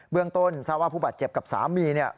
เบื้องต้นซาว่าผู้บาดเจ็บกับสามีเนี่ย